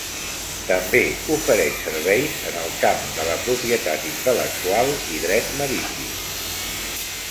També ofereix serveis en el camp de la propietat intel·lectual i dret marítim.